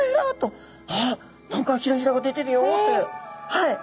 はい。